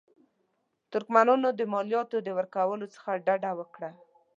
ترکمنانو د مالیاتو له ورکولو څخه ډډه وکړه.